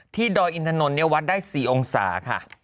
ดอยอินถนนวัดได้๔องศาค่ะ